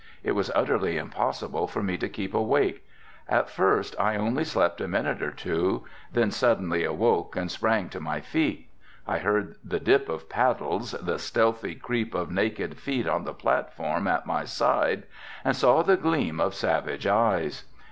It was utterly impossible for me to keep awake. At first I only slept a minute or two, then suddenly awoke and sprang to my feet. I heard the dip of paddles, the stealthy creep of naked feet on the platform at my side and saw the gleam of savage eyes.